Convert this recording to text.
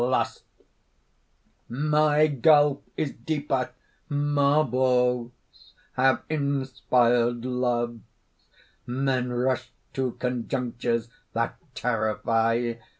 LUST. "My gulf is deeper! Marbles have inspired loves. Men rush to conjunctures that terrify.